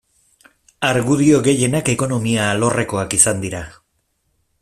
Argudio gehienak ekonomia alorrekoak izan dira.